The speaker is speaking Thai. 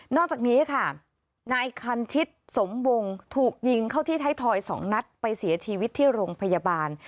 อกจากนี้ค่ะนายคันชิตสมวงถูกยิงเข้าที่ไทยทอย๒นัดไปเสียชีวิตที่โรงพยาบาล